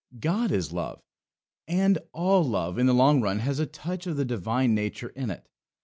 God is Love; and all love, in the long run, has a touch of the divine nature in it.